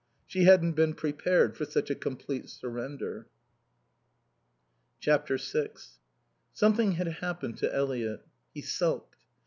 She hadn't been prepared for such a complete surrender. vi Something had happened to Eliot. He sulked.